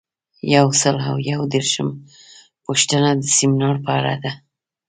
یو سل او یو دیرشمه پوښتنه د سمینار په اړه ده.